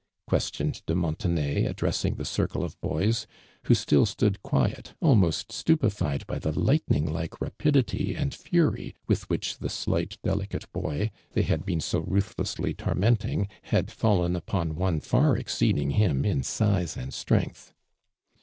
'■ (piestioned de Montenay, address ing the circle of hoys, who still stoofl quiet, almost stupefied by the lightning like j nyiidityand fury with which the slight, deli <aio boy, they had been so ruthlessly tormenting, had fallen upon one far exceed ing him in size and strength.